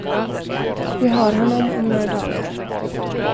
Vi har honom om några dagar.